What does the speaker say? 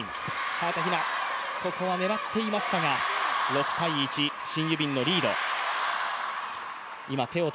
早田ひな、ここは狙っていましたが６−１、シン・ユビンのリード。